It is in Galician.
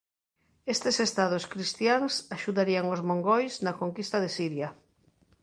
Estes estados cristiáns axudarían aos mongois na conquista de Siria.